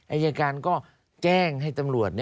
อายการก็แจ้งให้ตำรวจ